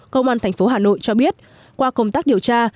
công an thành phố hà nội cho biết qua công tác điều tra